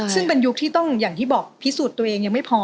ซึ่งเป็นยุคที่ต้องพิสูจน์ตัวเองยังไม่พอ